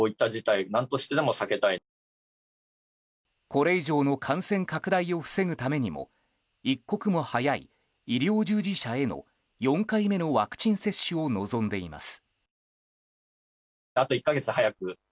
これ以上の感染拡大を防ぐためにも一刻も早い医療従事者への４回目のワクチン接種を望んでいます。